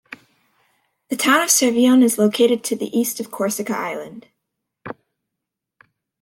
The town of Cervione is located to the east of Corsica island.